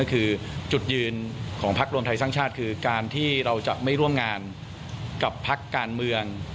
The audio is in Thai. คือจุดยืนของพักรวมไทยสร้างชาติคือการที่เราจะไม่ร่วมงานกับพักการเมือง